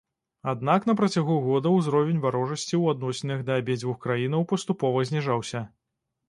Аднак на працягу года ўзровень варожасці ў адносінах да абедзвюх краінаў паступова зніжаўся.